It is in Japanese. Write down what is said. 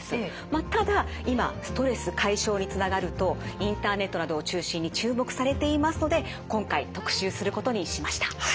ただ今ストレス解消につながるとインターネットなどを中心に注目されていますので今回特集することにしました。